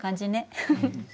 フフフッ。